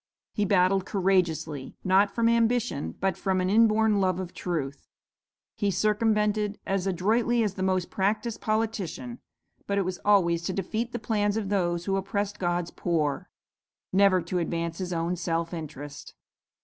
He battled courageously, not from ambition, but from an inborn love of truth. He circumvented as adroitly as the most practiced politician; but it was always to defeat the plans of those who oppressed God's poor; never to advance his own self interest.